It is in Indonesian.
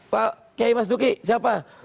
pak kiai mas duki siapa